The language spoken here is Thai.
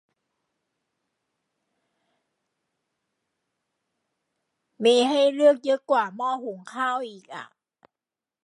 มีให้เลือกเยอะกว่าหม้อหุงข้าวอีกอะ